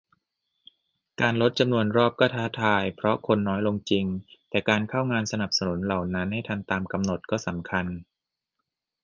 การลดจำนวนรอบก็ท้าทาย เพราะคนน้อยลงจริง แต่การเข้างานสนับสนุนเหล่านั้นให้ทันตามกำหนดก็สำคัญ